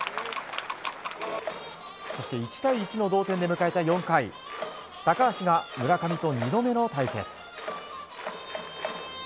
そして１対１の同点で迎えた４回高橋が村上と２度目の対決。